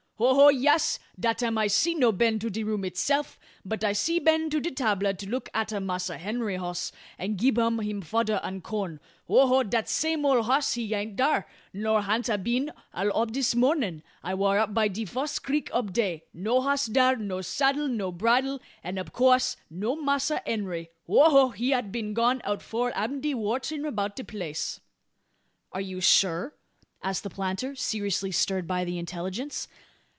"Ho ho! Yas. Dat am I'se no been to de room itseff; but I'se been to de 'table, to look atter Massa Henry hoss; an gib um him fodder an corn. Ho ho! Dat same ole hoss he ain't dar; nor han't a been all ob dis mornin'. I war up by de fuss skreek ob day. No hoss dar, no saddle, no bridle; and ob coass no Massa Henry. Ho ho! He been an gone out 'fore anb'dy wor 'tirrin' 'bout de place." "Are you sure?" asked the planter, seriously stirred by the intelligence.